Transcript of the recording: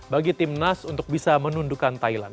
bagi tim nas untuk bisa menundukan thailand